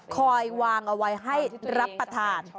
คอยวางเอาไว้ให้รับประทาน